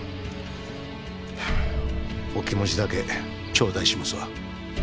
お気持ちだけ頂戴しますわ。